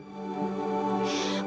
kita sudah lama sekali non